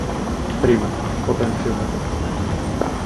Trimr, potenciometer